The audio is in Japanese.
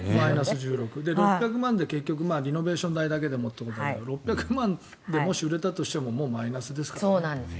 ６００万円でリノベーション代ということで６００万で、もし売れたとしてももうマイナスですからね。